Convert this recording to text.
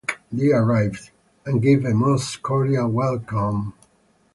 Soon after dark they arrived, and gave me a most cordial welcome.